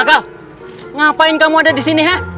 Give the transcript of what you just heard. anak anak ngapain kamu ada disini